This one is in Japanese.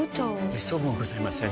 めっそうもございません。